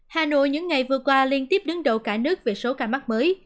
hà nội những ngày vừa qua liên tiếp đứng đầu cả nước về số ca mắc mới